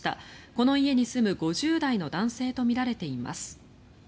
この家に住む５０代の男性とみられています。